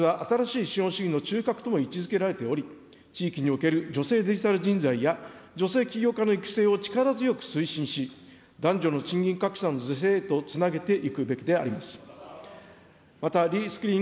女性の経済的自立は新しい資本主義の中核とも位置づけられており、地域における女性デジタル人材や女性起業家の育成を力強く推進し、男女の賃金格差の是正へとつなげていくべきであります。